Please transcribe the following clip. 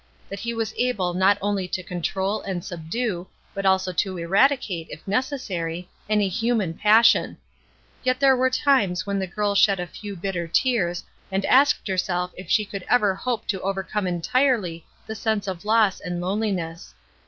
That He was able not only to control and subdue, but also to eradicate, if necessary, any human passion, Yet there were times when the girl shed a few bitter tears and asked herself if she could ever hope to overcome entirely the sense of loss and lonehness.